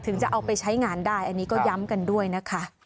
จะเอาไปใช้งานได้อันนี้ก็ย้ำกันด้วยนะคะ